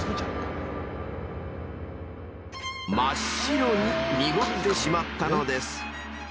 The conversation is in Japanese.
［真っ白に濁ってしまったのです］